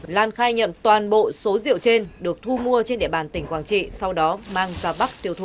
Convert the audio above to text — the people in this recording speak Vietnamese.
lan khai nhận toàn bộ số rượu trên được thu mua trên địa bàn tỉnh quảng trị sau đó mang ra bắc tiêu thụ